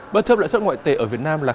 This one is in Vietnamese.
bất chấp lợi xuất ngoại tệ ở việt nam là